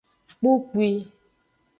Kpukpwi.